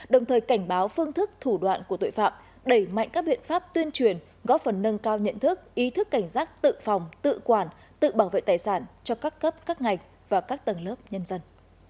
đồng thời cảnh báo phương thức thủ đoạn của tội phạm đẩy mạnh các biện pháp tuyên truyền góp phần nâng cao nhận thức ý thức cảnh giác tự phòng tự quản tự bảo vệ tài sản cho các cấp các ngành và các tầng lớp nhân dân